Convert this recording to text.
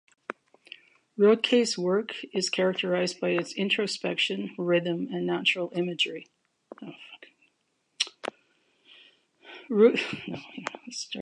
Roethke's work is characterized by its introspection, rhythm and natural imagery.